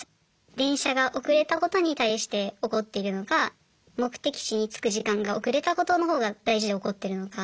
電車が遅れたことに対して怒っているのか目的地に着く時間が遅れたことのほうが大事で怒ってるのか。